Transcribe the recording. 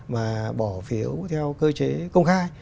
mà bỏ phiếu theo cơ chế công khai